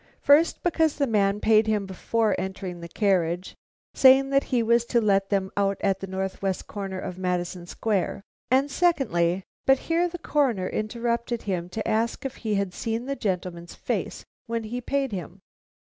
First, because the man paid him before entering the carriage, saying that he was to let them out at the northwest corner of Madison Square, and secondly But here the Coroner interrupted him to ask if he had seen the gentleman's face when he paid him.